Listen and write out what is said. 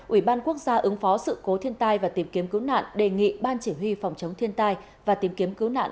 ủy ban quốc gia ứng phó sự cố thiên tai và tìm kiếm cứu nạn đề nghị ban chỉ huy phòng chống thiên tai và tìm kiếm cứu nạn